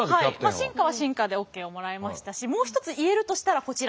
進化は進化でＯＫをもらいましたしもう一つ言えるとしたらこちら。